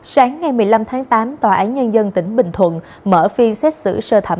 sáng ngày một mươi năm tháng tám tòa án nhân dân tỉnh bình thuận mở phiên xét xử sơ thẩm